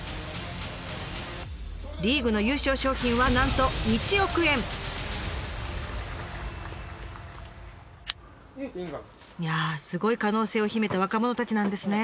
リーグの優勝賞金はなんといやあすごい可能性を秘めた若者たちなんですね。